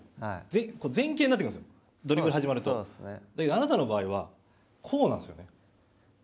あなたの場合は、こうなんですよ。